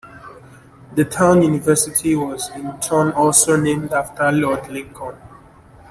The town's university was in turn also named after Lord Lincoln.